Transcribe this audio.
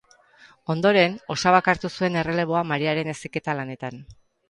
Ondoren, osabak hartu zuen erreleboa Mariaren heziketa lanetan.